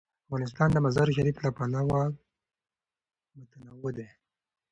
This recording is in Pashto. افغانستان د مزارشریف له پلوه متنوع دی.